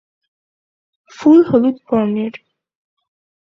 ফুল হলুদ বর্ণের।